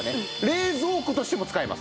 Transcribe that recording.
冷蔵庫としても使えます。